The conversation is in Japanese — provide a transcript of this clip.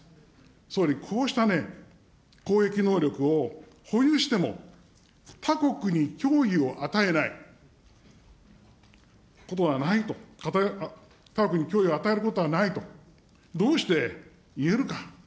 総理、こうしたね、攻撃能力を保有しても、他国に脅威を与えないことはないと、他国に脅威を与えることはないと、どうして言えるか。